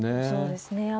そうですね。